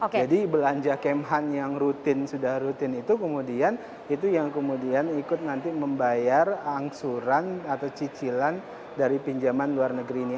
jadi belanja kemhan yang rutin itu kemudian ikut nanti membayar angsuran atau cicilan dari pinjaman luar negeri ini